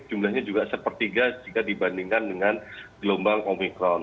jumlahnya juga sepertiga jika dibandingkan dengan gelombang omikron